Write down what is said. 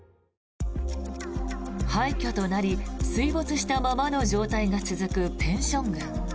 廃虚となり水没したままの状態が続くペンション群。